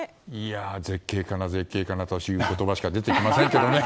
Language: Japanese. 絶景かな絶景かなという言葉しか出てきませんけど。